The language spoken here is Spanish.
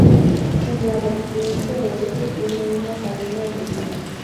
En la vertiente oeste tiene una cadena de dunas.